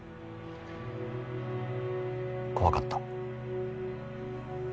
怖かった。